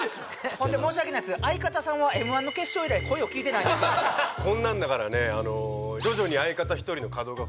そんで申し訳ないですけど相方さんはＭ−１の決勝以来声を聞いてないこんなんだからねまた？